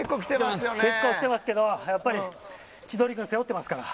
結構きてますけど、千鳥軍背負ってますから。